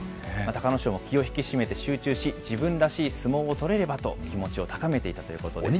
隆の勝も気を引き締めて集中し、自分らしい相撲を取れればと気持ちを高めていたということです。